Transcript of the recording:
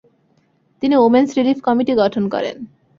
তিনি women's relief committee গঠন করেন।